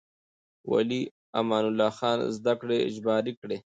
ولې امان الله خان زده کړې اجباري کړې؟